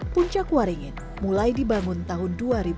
puncak waringin mulai dibangun tahun dua ribu sembilan belas